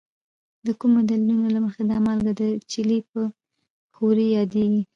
د کومو دلیلونو له مخې دا مالګه د چیلي په ښورې یادیږي؟